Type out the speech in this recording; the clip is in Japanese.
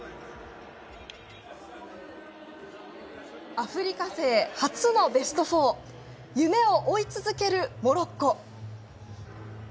アフリカ勢初のベスト４夢を追い続けるモロッコ。